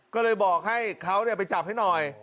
ก็เลยบอกให้เขาไปจับให้หน่อย